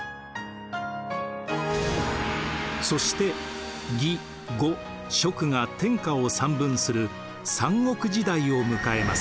そして魏呉蜀が天下を三分する三国時代を迎えます。